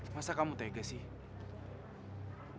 masa kamu tega sih